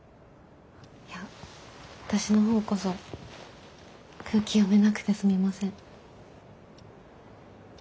いや私の方こそ空気読めなくてすみません。